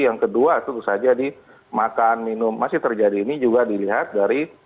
yang kedua tentu saja di makan minum masih terjadi ini juga dilihat dari